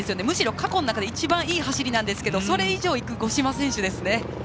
むしろ過去の中で一番いい走りなんですがそれ以上いく五島選手ですね。